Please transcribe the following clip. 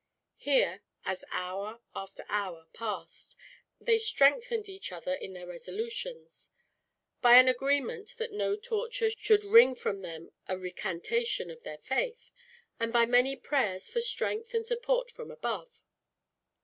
Here, as hour after hour passed, they strengthened each other in their resolutions, by an agreement that no torture should wring from them a recantation of their faith, and by many prayers for strength and support from above.